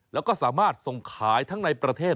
แล้วก็สามารถส่งขายทั้งในประเทศ